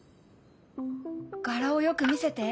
柄をよく見せて。